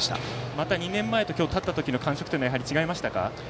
また２年前と今日立った時の感触は違いましたか？